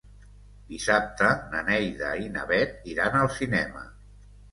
Dissabte na Neida i na Bet iran al cinema.